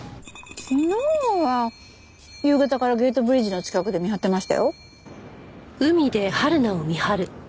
昨日は夕方からゲートブリッジの近くで見張ってましたよ。